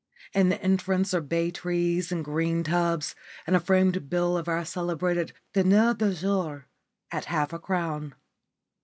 In the entrance are bay trees in green tubs and a framed bill of our celebrated diner du jour at half a crown.